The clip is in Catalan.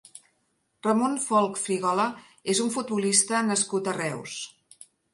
Ramon Folch Frigola és un futbolista nascut a Reus.